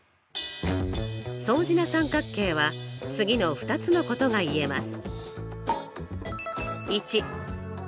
相似な三角形は次の２つのことが言えます。